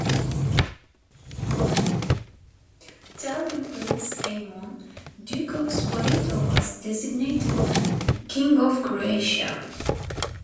Italian prince Aimone, Duke of Spoleto was designated King of Croatia.